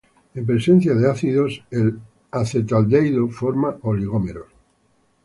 En presencia de ácidos el acetaldehído forma oligómeros.